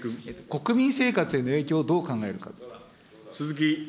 国民生活への影響をどう考えるか。